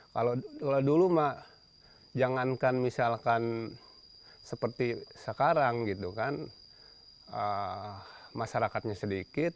kalau dulu mah jangankan misalkan seperti sekarang gitu kan masyarakatnya sedikit